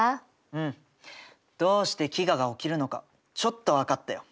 うん。どうして飢餓が起きるのかちょっと分かったよ。